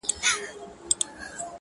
• زما خوله كي شپېلۍ اشنا.